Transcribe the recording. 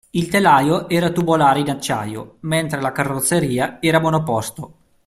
Il telaio era tubolare in acciaio, mentre la carrozzeria era monoposto.